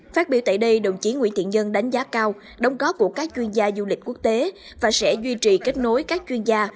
phát biểu tại đây đồng chí nguyễn thiện nhân đánh giá cao đóng góp của các chuyên gia du lịch quốc tế và sẽ duy trì kết nối các chuyên gia